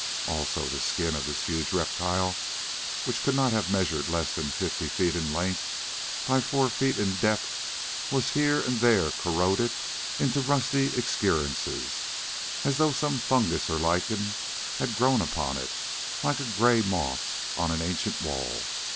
Also, the skin of this huge reptile, which could not have measured less than fifty feet in length by four feet in depth, was here and there corroded into rusty excrescences, as though some fungus or lichen had grown upon it like grey moss on an ancient wall.